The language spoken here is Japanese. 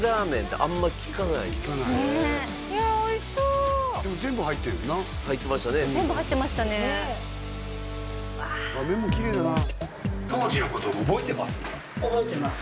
ああっ麺もきれいだな当時のこと覚えてます？